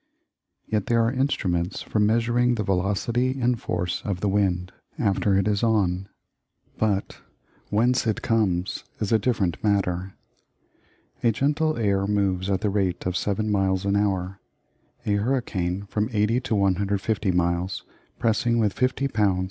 Yet there are instruments for measuring the velocity and force of the wind, after it is on; but "whence it comes" is a different matter. A gentle air moves at the rate of 7 miles an hour; a hurricane from 80 to 150 miles, pressing with 50 lbs.